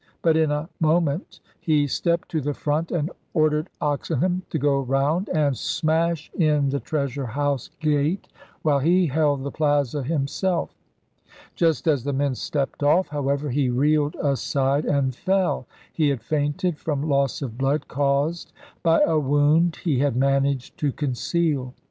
But in a moment he stepped to the front and ordered Oxenham to go round and smash in the Treasure House gate while he held the Plaza himself. Just as the men stepped off, however, he reeled aside and fell. He had fainted from loss of blood caused by a wound he had managed to conceal.